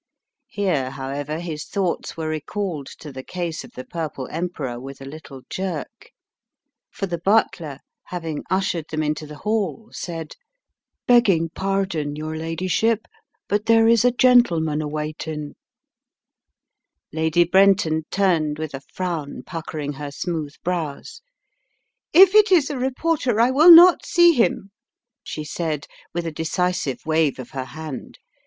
Here, however, his thoughts were recalled to the case of the Purple Emperor with a little jerk, for the butler, having ushered them into the hall, said: "Begging pardon, your ladyship, but there is a gentleman awaitin'." Lady Brenton turned with a frown puckering her smooth brows. "If it is a reporter, I will not see him!" she said, with a decisive wave of her hand.